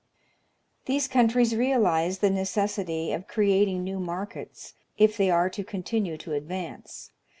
These countries realize the necessity of creating new markets, if they are to continue to advance.